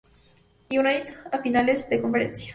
United a finales de conferencia.